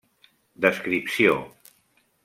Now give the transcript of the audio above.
Descripció: